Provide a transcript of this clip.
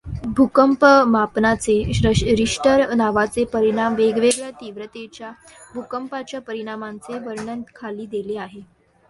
भूकंपमापनाचे Richter नावाचे परिमाण वेगवेगळ्या तीव्रतेच्या भूकंपांच्या परिणामांचे वर्णन खाली दिले आहे.